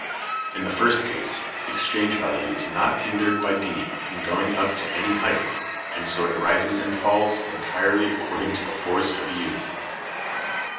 In the first case, exchange value is not hindered by D from going up to any height, and so it rises and falls entirely according to the force of U.